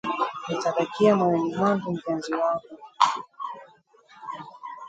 Utabakia moyoni mwangu mpenzi wangu